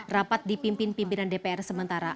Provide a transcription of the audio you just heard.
rapat dipimpin pimpinan dpr sementara